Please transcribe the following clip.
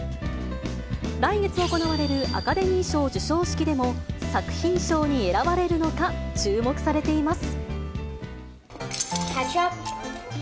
来月行われるアカデミー賞授賞式でも、作品賞に選ばれるのか注目されています。